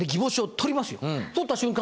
取った瞬間